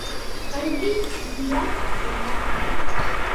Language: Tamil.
கல்வி என்றால் என்ன?